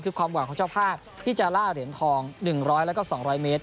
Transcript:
คือความหวังของเจ้าภาพที่จะล่าเหรียญทอง๑๐๐แล้วก็๒๐๐เมตร